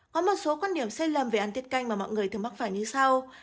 có một số quan điểm sai lầm về ăn tiết canh mà mọi người thường mắc phải như sau